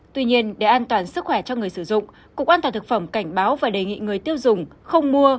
tuy nhiên để an toàn sức khỏe cho người sử dụng cục an toàn thực phẩm cảnh báo và đề nghị người tiêu dùng không mua